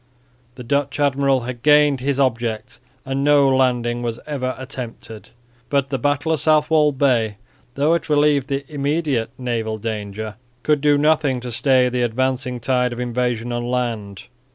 The Dutch admiral had gained his object and no landing was ever attempted. But the battle of Southwold Bay, though it relieved the immediate naval danger, could do nothing to stay the advancing tide of invasion on land.